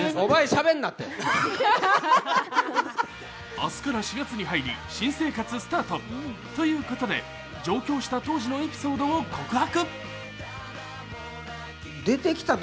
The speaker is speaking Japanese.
明日から４月に入り新生活スタート。ということで、上京した当時のエピソードを告白。